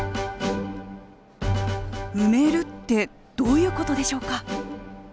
「埋める」ってどういうことでしょうか？